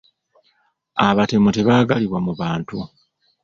Abatemu tebaagalibwa mu bantu.